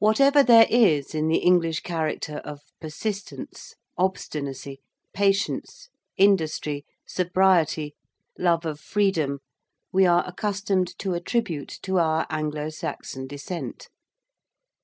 Whatever there is in the English character of persistence, obstinacy, patience, industry, sobriety, love of freedom, we are accustomed to attribute to our Anglo Saxon descent.